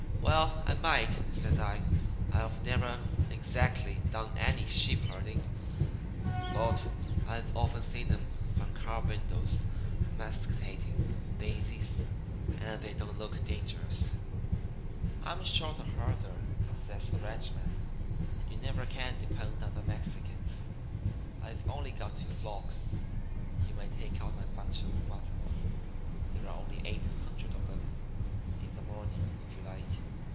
Well, I might,' says I. 'I've never exactly done any sheep herding, but I've often seen 'em from car windows masticating daisies, and they don't look dangerous.' "'I'm short a herder,' says the ranchman. 'You never can depend on the Mexicans. I've only got two flocks. You may take out my bunch of muttons there are only eight hundred of 'em in the morning, if you like.